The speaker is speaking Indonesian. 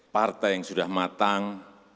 partai yang sudah matang